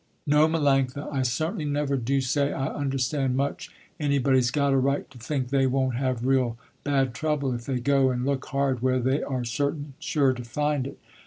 "No Melanctha, I certainly never do say I understand much anybody's got a right to think they won't have real bad trouble, if they go and look hard where they are certain sure to find it.